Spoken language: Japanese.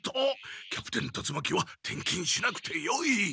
キャプテン達魔鬼は転勤しなくてよい。